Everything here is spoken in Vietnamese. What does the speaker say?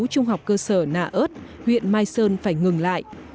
trung học cơ sở nạ ơt huyện mai sơn phải ngừng lại